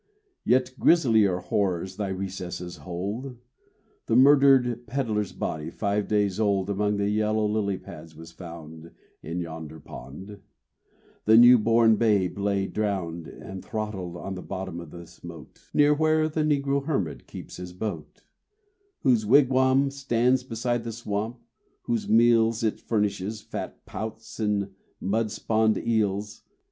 Yet grislier horrors thy recesses hold: The murdered peddler's body five days old Among the yellow lily pads was found In yonder pond: the new born babe lay drowned And throttled on the bottom of this moat, Near where the negro hermit keeps his boat; Whose wigwam stands beside the swamp; whose meals It furnishes, fat pouts and mud spawned eels.